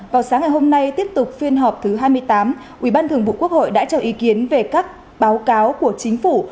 vào sáng ngày hôm nay tiếp tục phiên họp thứ hai mươi tám ubnd đã trao ý kiến về các báo cáo của chính phủ